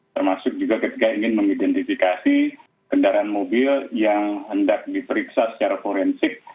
termasuk juga ketika ingin mengidentifikasi kendaraan mobil yang hendak diperiksa secara forensik